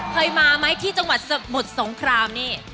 เคยมาไหมที่จังหวัดสมุทรสงครามนี่